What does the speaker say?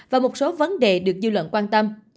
và một số vấn đề được dư luận quan tâm